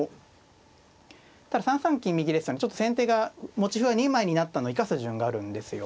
ただ３三金右ですとちょっと先手が持ち歩が２枚になったの生かす順があるんですよ。